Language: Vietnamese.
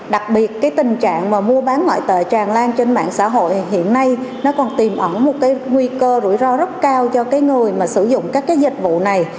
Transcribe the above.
đặc biệt tình trạng mua bán ngoại tệ tràn lan trên mạng xã hội hiện nay còn tìm ẩn một nguy cơ rủi ro rất cao cho người sử dụng các dịch vụ này